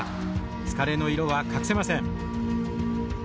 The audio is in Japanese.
疲れの色は隠せません。